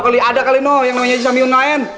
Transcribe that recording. ada kali noh yang namanya haji samiun lain